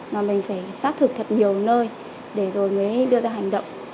mà mình phải xác thực thật nhiều nơi để rồi mới đưa ra hành động